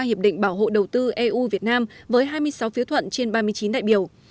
hiệp định bảo hộ đầu tư eu việt nam với hai mươi sáu phiếu thuận trên ba mươi chín đại biểu